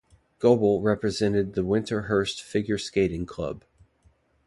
Goebel represented the Winterhurst Figure Skating Club.